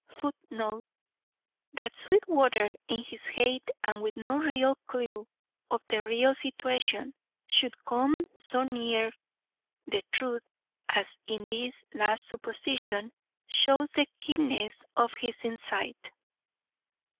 [Footnote: That Sweetwater in his hate, and with no real clew to the real situation, should come so near the truth as in this last supposition, shows the keenness of his insight.